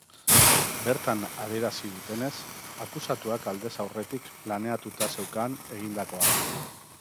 Bertan adierazi dutenez, akusatuak aldez aurretik planeatuta zeukan egindakoa.